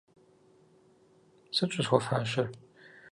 - Сыт щӏысхуэфащэр?